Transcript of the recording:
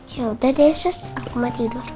yaudah deh sus aku mau tidur